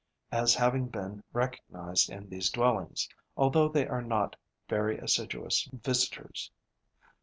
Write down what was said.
as having been recognized in these dwellings, although they are not very assiduous visitors.